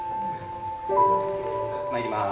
まいります。